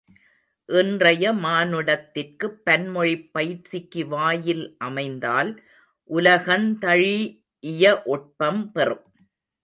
இன்றைய மானுடத்திற்குப் பன்மொழிப் பயிற்சிக்கு வாயில் அமைந்தால் உலகந்தழீஇய ஒட்பம் பெறும்!